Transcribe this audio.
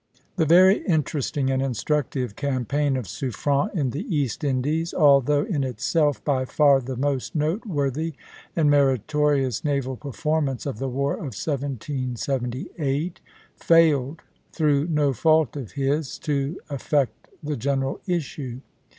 The very interesting and instructive campaign of Suffren in the East Indies, although in itself by far the most noteworthy and meritorious naval performance of the war of 1778, failed, through no fault of his, to affect the general issue.